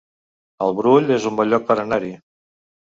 El Brull es un bon lloc per anar-hi